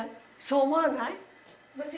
そう思わない？